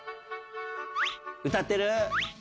歌ってる？